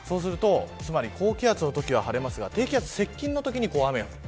高気圧のときは晴れますが低気圧接近のときに雨が降る。